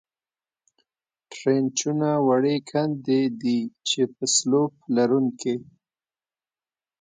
ټرینچونه وړې کندې دي، چې په سلوپ لرونکې.